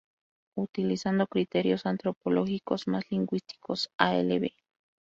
Utilizando criterios antropológicos más lingüísticos, Alb.